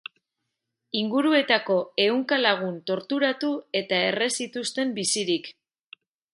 Inguruetako ehunka lagun torturatu eta erre zituzten bizirik.